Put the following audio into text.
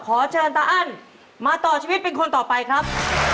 ขอเชิญตาอั้นมาต่อชีวิตเป็นคนต่อไปครับ